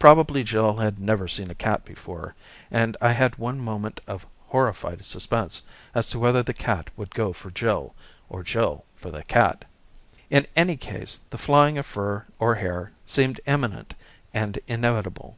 Probably Jill had never seen a cat before, and I had one moment of horrified suspense as to whether the cat would go for Jill, or Jill for the cat. In any case the flying of fur or hair seemed imminent and inevit able.